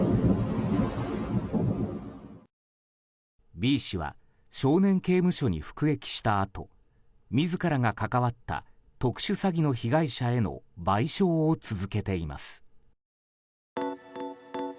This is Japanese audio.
Ｂ氏は少年刑務所に服役したあと自らが関わった特殊詐欺の被害者への賠償を続けています。